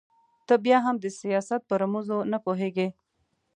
ته بيا هم د سياست په رموزو نه پوهېږې.